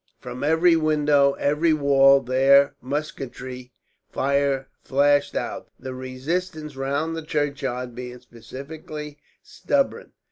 From every window, every wall, their musketry fire flashed out; the resistance round the churchyard being specially stubborn.